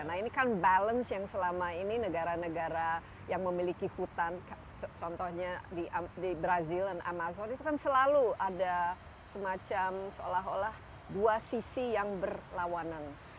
nah ini kan balance yang selama ini negara negara yang memiliki hutan contohnya di brazil dan amazon itu kan selalu ada semacam seolah olah dua sisi yang berlawanan